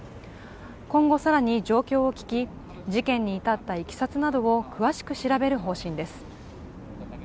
今後、更に状況を聞き、事件に至ったいきさつなどを詳しく調べる方針です。